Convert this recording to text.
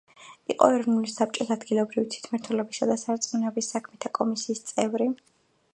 იყო ეროვნული საბჭოს ადგილობრივი თვითმმართველობისა და სარწმუნოების საქმეთა კომისიის წევრი.